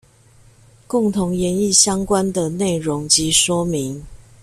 共同研議相關的內容及說明